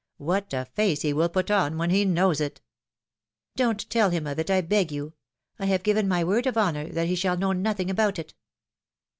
What a face he will put on when he knows it!'^ Don't tell him of it, I beg you; I have given my word of honor that he shall know nothing about it."